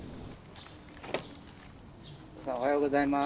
おはようございます。